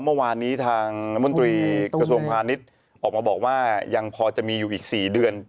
เมื่อวานนี้ทางน้ำมนตรีกระทรวงพาณิชย์ออกมาบอกว่ายังพอจะมีอยู่อีก๔เดือน